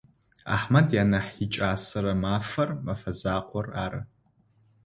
Ахьмэд янахь икӏасэрэ мэфэр мэфэзакъор ары.